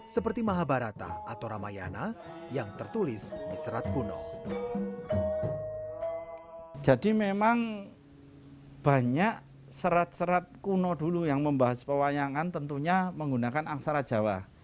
serat serat kuno dulu yang membahas pewayangan tentunya menggunakan aksara jawa